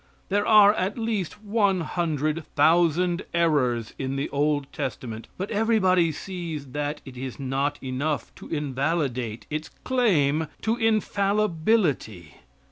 There are at least one hundred thousand errors in the Old Testament, but everybody sees that it is not enough to invalidate its claim to infallibility.